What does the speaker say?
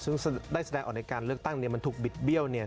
ซึ่งได้แสดงออกในการเลือกตั้งมันถูกบิดเบี้ยว